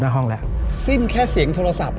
หน้าห้องแล้วสิ้นแค่เสียงโทรศัพท์